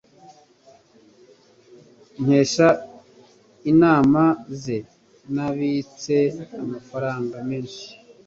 Nkesha inama ze, nabitse amafaranga menshi.